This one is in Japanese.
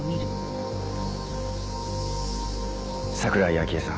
桜井秋絵さん